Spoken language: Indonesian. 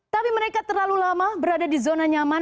tapi mereka terlalu lama berada di zona nyaman